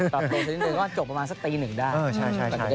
ตัวสักนิดนึงก็จบประมาณสักตีหนึ่งได้